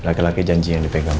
laki laki janji yang dipegang